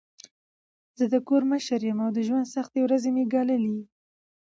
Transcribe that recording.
زه د کور مشر یم او د ژوند سختې ورځي مې ګاللي.